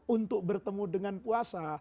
untuk bertemu dengan puasa